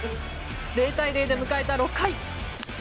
０対０で迎えた６回。